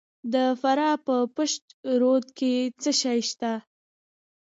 د فراه په پشت رود کې څه شی شته؟